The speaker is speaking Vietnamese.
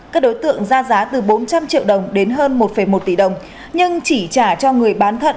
các đối tượng ra giá từ bốn trăm linh triệu đồng đến hơn một một tỷ đồng nhưng chỉ trả cho người bán thận